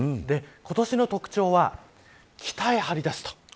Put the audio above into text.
今年の特徴は、北へ張り出すと。